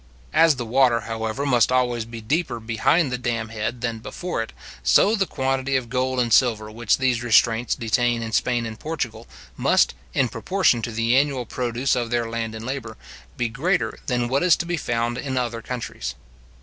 As the water, however, must always be deeper behind the dam head than before it, so the quantity of gold and silver which these restraints detain in Spain and Portugal, must, in proportion to the annual produce of their land and labour, be greater than what is to be found in other countries.